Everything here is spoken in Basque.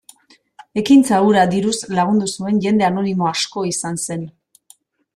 Ekintza hura diruz lagundu zuen jende anonimo asko izan zen.